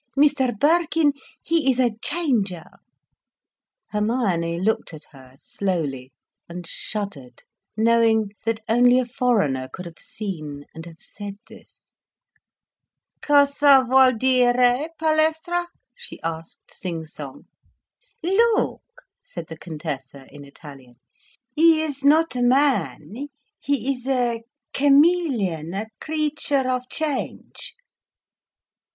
"Mr Birkin, he is a changer." Hermione looked at her slowly, and shuddered, knowing that only a foreigner could have seen and have said this. "Cosa vuol'dire, Palestra?" she asked, sing song. "Look," said the Contessa, in Italian. "He is not a man, he is a chameleon, a creature of change."